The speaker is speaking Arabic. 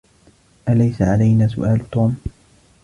أليس علينا سؤال توم؟